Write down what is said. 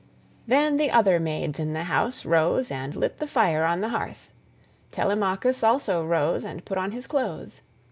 Then the other maids in the house rose and lit the fire on the hearth; Telemachus also rose and put on his clothes.